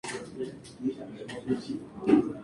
Su primer despliegue fue en Yibuti.